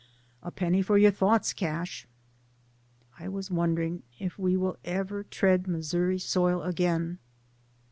"A penny for your thoughts, Cash ?'* 4 DAYS ON THE ROAD. "I was wondering if we will ever tread Missouri soil again?"